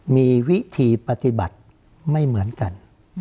มีวิธีปฏิบัติไม่เหมือนกัน